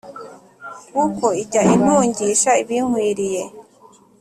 Kuko ijya intungisha ibinkwiriye